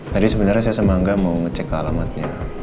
tadi sebenarnya saya sama angga mau ngecek alamatnya